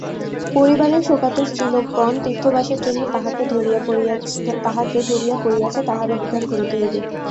পরিবারের শোকাতুর স্ত্রীলোকগণ তীর্থবাসের জন্য তাহাকে ধরিয়া পড়িয়াছে তাহারও বিধান করিতে হইবে।